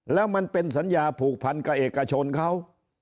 แล้วมันเป็นสัญญาผูกพันกับเอกชนเขา